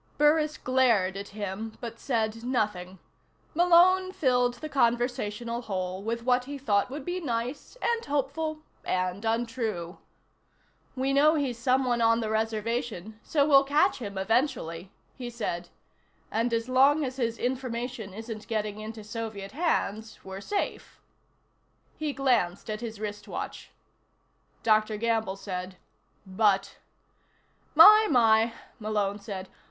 Burris glared at him, but said nothing. Malone filled the conversational hole with what he thought would be nice, and hopeful, and untrue. "We know he's someone on the reservation, so we'll catch him eventually," he said. "And as long as his information isn't getting into Soviet hands, we're safe." He glanced at his wristwatch. Dr. Gamble said: "But " "My, my," Malone said.